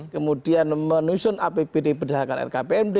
kemudian menyusun apbd berdasarkan rkpmd